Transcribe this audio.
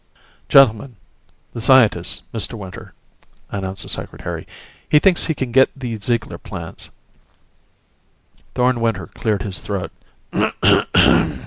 "Gentlemen, the scientist, Mr. Winter," announced the Secretary. "He thinks he can get the Ziegler plans." Thorn Winter cleared his throat.